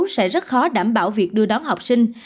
sẽ rất khó đảm bảo việc đưa đón học sinh